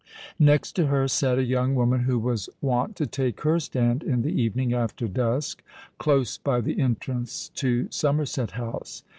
Next to her sate a young woman who was wont to take her stand in the evening, after dusk, close by the entrance to Somerset House.